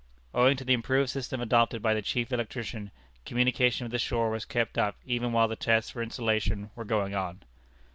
Owing to the improved system adopted by the chief electrician, communication with the shore was kept up even while the tests for insulation were going on.